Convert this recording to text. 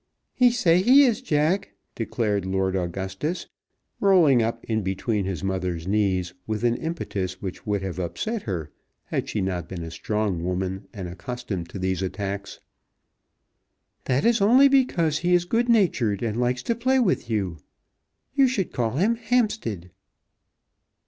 "He say he is Jack," declared Lord Augustus, rolling up in between his mother's knees with an impetus which would have upset her had she not been a strong woman and accustomed to these attacks. "That is only because he is good natured, and likes to play with you. You should call him Hampstead."